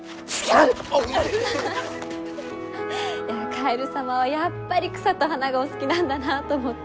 カエル様はやっぱり草と花がお好きなんだなと思って。